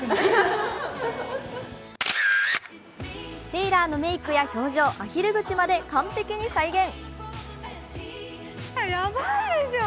テイラーのメークや表情、アヒル口まで完璧に再現。